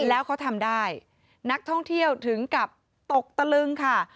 แล้วเขาทำได้นักท่องเที่ยวถึงกับตกตะลึงค่ะ